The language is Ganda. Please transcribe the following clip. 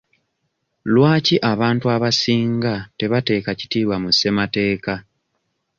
Lwaki abantu abasinga tebateeka kitiibwa mu ssemateeka?